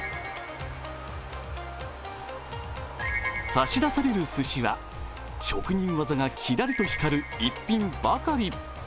差し出されるすしは職人技がきらりと光る逸品ばかり。